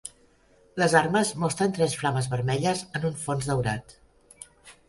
Les armes mostren tres flames vermelles en un fons daurat.